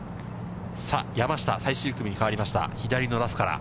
さあ、山下、最終組変わりました、左のラフから。